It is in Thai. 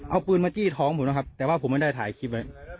เอาปืนมาจี้ท้องผมนะครับแต่ว่าผมไม่ได้ถ่ายคลิปไว้